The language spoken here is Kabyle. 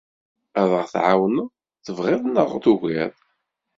Ad aɣ-tɛawneḍ, tebɣiḍ neɣ tugiḍ.